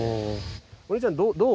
お兄ちゃんどう？